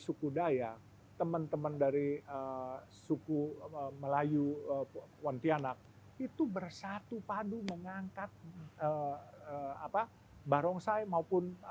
suku daya teman teman dari suku melayu pontianak itu bersatu padu mengangkat apa barongsai maupun